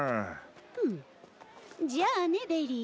フンじゃあねベリー。